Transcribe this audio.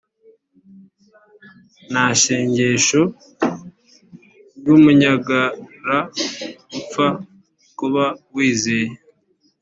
Ntashengesho ryumunyagara upfa kuba wizeye